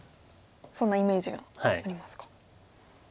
そんなイメージがありますか。